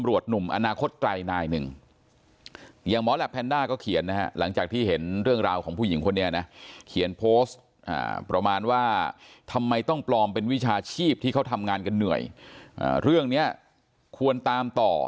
ว่าทำไมต้องปลอมเป็นวิชาชีพที่เขาทำงานกันเหนื่อยเรื่องเนี้ยควรตามต่อ